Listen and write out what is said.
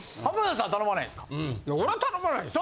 頼まないんですか？